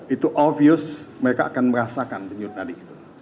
itu jelas mereka akan merasakan denyut nadi